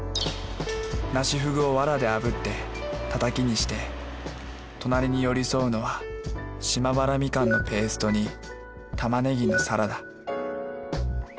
ナシフグをわらで炙ってたたきにして隣に寄り添うのは島原みかんのペーストに玉ねぎのサラダ